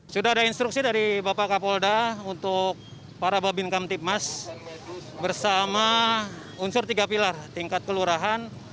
sudah ada instruksi dari bapak kapolda untuk para babin kamtipmas bersama unsur tiga pilar tingkat kelurahan